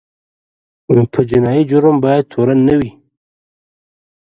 په جنایي جرم باید تورن نه وي.